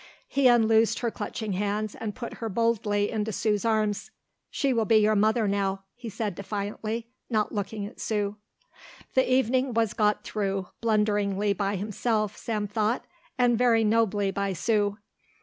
He unloosed her clutching hands and put her boldly into Sue's arms. "She will be your mother now," he said defiantly, not looking at Sue. The evening was got through, blunderingly by himself, Sam thought, and very nobly by Sue.